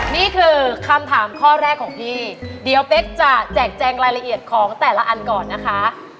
นี่คือคำถามข้อแรกของพี่เดี๋ยวเป๊กจะแจกแจงรายละเอียดของแต่ละอันก่อนนะคะ